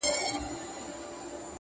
تخت که هر څونه وي لوی نه تقسیمیږي٫